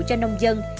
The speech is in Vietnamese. cho nông dân